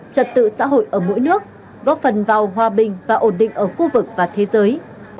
trật tự xã hội ở mỗi nước góp phần vào hòa bình và ổn định ở khu vực và thế giới